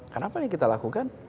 karena apa yang kita lakukan